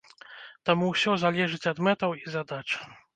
Таму усё залежыць ад мэтаў і задач.